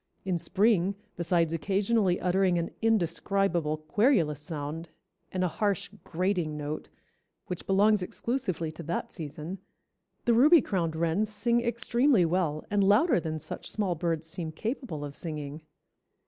In spring, besides occasionally uttering an indescribable querulous sound, and a harsh, 'grating' note, which belongs exclusively to that season, the Ruby crowned wrens sing extremely well and louder than such small birds seem capable of singing.